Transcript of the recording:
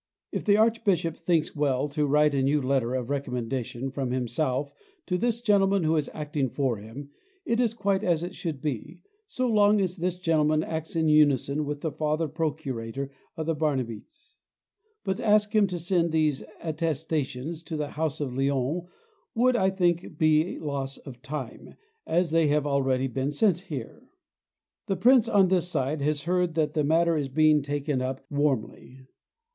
If the Archbishop thinks well to write a new letter of recommendation, from himself, to this gentleman who is acting for him, it is quite as it should be, so long as this gentleman acts in unison with the Father Procurator of the Barnabites. But to ask him to send these attestations to the house of Lyons would, I think, be loss of time, as they have already been sent here. The Prince, on his side, has heard that the matter is being taken up warmly.